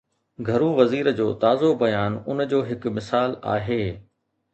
گهرو وزير جو تازو بيان ان جو هڪ مثال آهي.